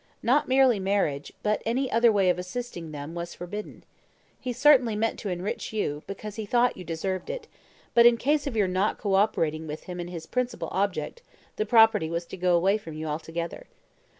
Not merely marriage, but any other way of assisting them was forbidden. He certainly meant to enrich you, because he thought you deserved it, but in case of your not co operating with him in his principal object, the property was to go away from you altogether.